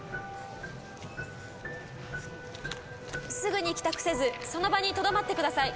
すぐに帰宅せずその場にとどまってください。